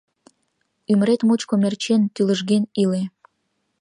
Умырет мучко мерчен, тӱлыжген иле!